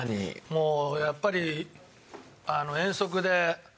もうやっぱり。